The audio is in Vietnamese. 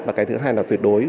và cái thứ hai là tuyệt đối